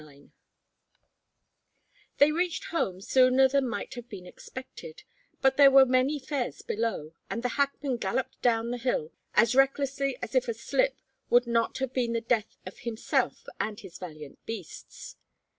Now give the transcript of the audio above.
XXXIX They reached home sooner than might have been expected, but there were many fares below, and the hackman galloped down the hill as recklessly as if a slip would not have been the death of himself and his valiant beasts.